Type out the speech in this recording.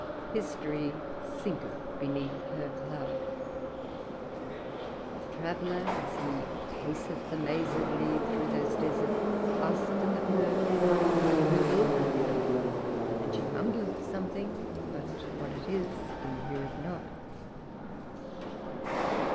History sinketh beneath her cloud. The traveler, as he paceth amazedly through those deserts, asketh of her, Who builded them? and she mumbleth something, but what it is he heareth not.